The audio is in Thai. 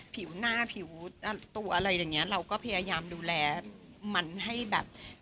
ผิวหน้าผิวตัวอะไรอย่างเงี้ยเราก็พยายามดูแลมันให้แบบ